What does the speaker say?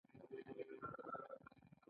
لومړی لیول یوازې د ځان لپاره ګټه ده.